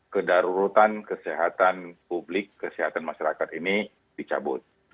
kedaruratan kesehatan publik kesehatan masyarakat ini dicabut